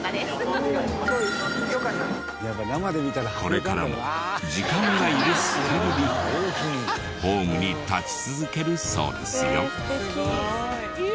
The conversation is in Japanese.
これからも時間が許す限りホームに立ち続けるそうですよ。